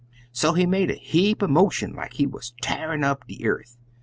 So he made a heap er motion like he wuz t'arin' up de yeth.